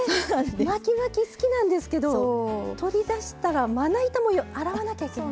巻き巻き好きなんですけど取り出したらまな板も洗わなきゃいけない。